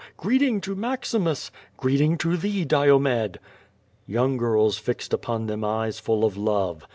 Greeting to MaximusI Greetin<r to thee, Diomed!" Young girls fixed upon them eyes full of love.